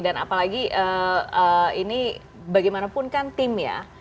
apalagi ini bagaimanapun kan tim ya